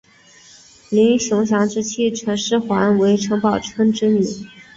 林熊祥之妻陈师桓为陈宝琛之女。